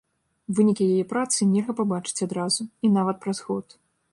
Вынікі яе працы нельга пабачыць адразу, і нават праз год.